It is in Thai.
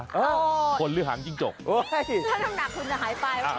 สองขาอ๋อคนหรือหางจิ้งจกโอ้ยแล้วน้ำหนักคุณจะหายไปอ่า